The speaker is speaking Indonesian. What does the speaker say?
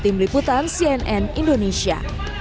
tim liputan cnn indonesia